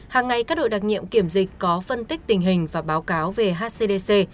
hàng ngày các đội đặc nhiệm kiểm dịch có phân tích tình hình và báo cáo về hcdc